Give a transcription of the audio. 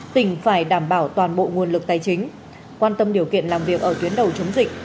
tỉnh phải đảm bảo toàn bộ nguồn lực tài chính quan tâm điều kiện làm việc ở tuyến đầu chống dịch